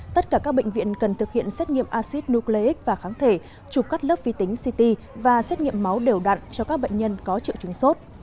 tất cả các bệnh viện cần thực hiện xét nghiệm acid nucleic và kháng thể chụp cắt lớp vi tính city và xét nghiệm máu đều đặn cho các bệnh nhân có triệu chứng sốt